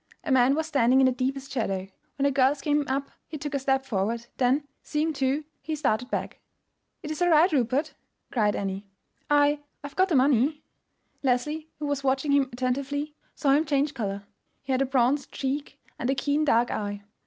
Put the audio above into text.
A man was standing in the deepest shadow. When the girls came up he took a step forward, then, seeing two, he started back. "It is all right, Rupert," cried Annie. "I—I have got the money." Leslie, who was watching him attentively, saw him change color. He had a bronzed cheek and a keen, dark eye.